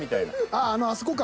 あああのあそこか。